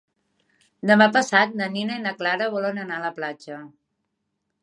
Demà passat na Nina i na Clara volen anar a la platja.